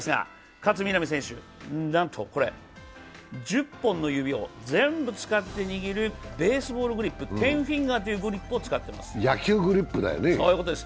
勝みなみ選手、なんとこれ、１０本の指を全部使って握るベースボールグリップ、テンフィンガーというグリップを使っています。